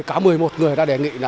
cá một mươi một người đã đề nghị